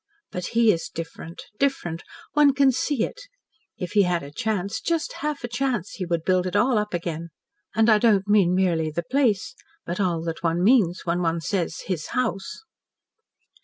But he is different different. One can see it. If he had a chance just half a chance he would build it all up again. And I don't mean merely the place, but all that one means when one says 'his house.'"